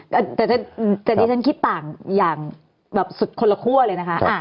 แต่ดิฉันคิดต่างอย่างแบบสุดคนละคั่วเลยนะคะ